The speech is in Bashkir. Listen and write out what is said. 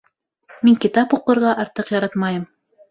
Мин китап уҡырға артыҡ яратмайым